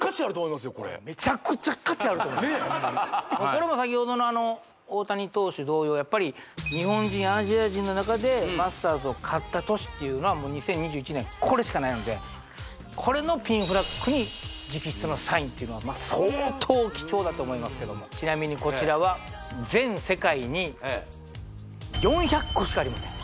これもさきほどの大谷投手同様やっぱり日本人アジア人のなかでマスターズを勝った年というのは２０２１年これしかないわけでこれのピンフラッグに直筆のサインっていうのは相当貴重だと思いますけどもちなみにこちらは全世界に４００個しかありません